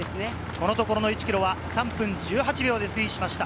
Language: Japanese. このところの１ｋｍは３分１１秒で推移しました。